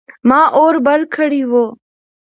ما اور بل کړی و.